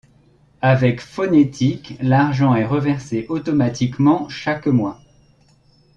Avec Phonethic, l’argent est reversé automatiquement chaque mois.